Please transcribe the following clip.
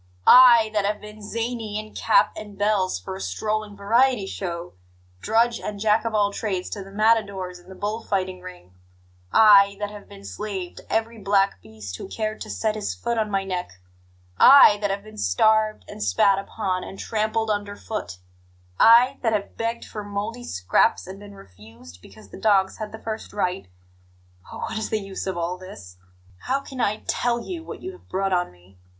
I, that have been zany in cap and bells for a strolling variety show drudge and Jack of all trades to the matadors in the bull fighting ring; I, that have been slave to every black beast who cared to set his foot on my neck; I, that have been starved and spat upon and trampled under foot; I, that have begged for mouldy scraps and been refused because the dogs had the first right? Oh, what is the use of all this! How can I TELL you what you have brought on me?